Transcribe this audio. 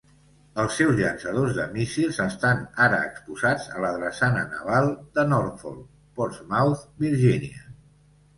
Els seus llançadors de míssils estan ara exposats a la Drassana Naval de Norfolk, Portsmouth, Virginia.